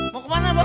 mau kemana mbak